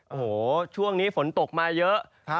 โอ้โหช่วงนี้ฝนตกมาเยอะ